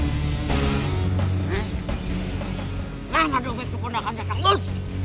gimana dompet itu kondakannya kermus